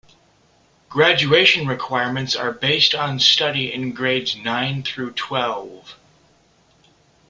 Graduation requirements are based on study in grades nine through twelve.